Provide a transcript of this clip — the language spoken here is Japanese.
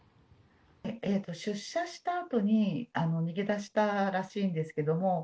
出社したあとに、逃げ出したらしいんですけども。